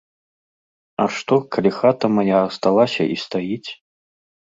А што, калі хата мая асталася і стаіць?